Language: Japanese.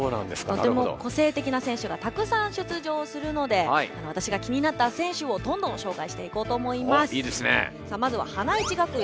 とても個性てきな選手がたくさん出場するのでわたしが気になった選手をどんどんしょうかいしていこうと思います。